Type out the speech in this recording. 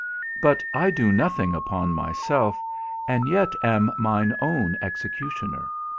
But I do nothing upon myself, and yet am mine own executioner.